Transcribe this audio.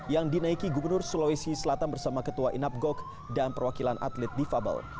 yang dinaiki gubernur sulawesi selatan bersama ketua inapgok dan perwakilan atlet difabel